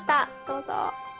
どうぞ。